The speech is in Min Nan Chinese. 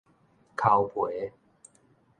剾皮